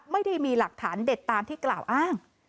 ไม่ได้มีหลักฐานเด็ดตามที่กล่าวอ้าง